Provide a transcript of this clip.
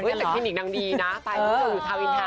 เช่นคลินิกนางดีนะไปอยู่ทาว